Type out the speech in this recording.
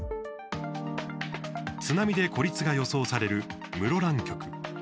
津波で孤立が予想される室蘭局。